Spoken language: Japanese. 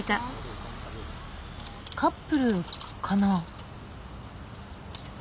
カップルかな？